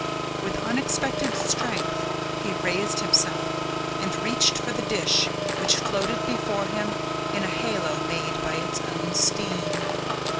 With unexpected strength he raised himself, and reached for the dish, which floated before him in a halo made by its own steam.